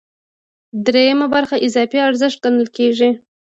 درېیمه برخه اضافي ارزښت ګڼل کېږي